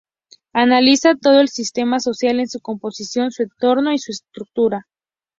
Analiza todo el sistema social en su composición, su entorno y su estructura.